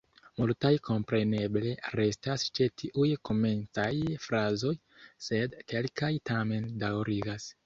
Multaj kompreneble restas ĉe tiuj komencaj frazoj, sed kelkaj tamen daŭrigas.